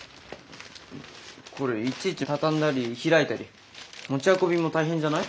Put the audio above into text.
これいちいち畳んだり開いたり持ち運びも大変じゃない？